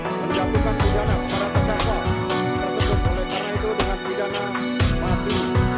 menjagakan bidana kepada penjaga tersebut oleh para itu dengan bidana mati